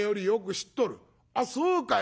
「あっそうかい。